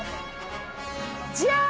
じゃん。